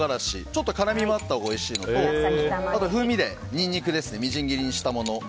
ちょっと辛みもあったほうがおいしいのとあと、風味でニンニクをみじん切りにしたもの